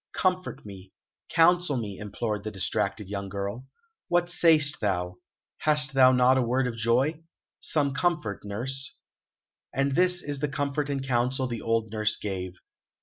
"Comfort me, counsel me," implored the distracted young girl. "What say'st thou? Hast thou not a word of joy? Some comfort, nurse." And this is the comfort and counsel the old nurse gave.